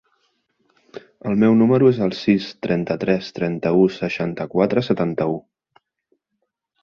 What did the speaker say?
El meu número es el sis, trenta-tres, trenta-u, seixanta-quatre, setanta-u.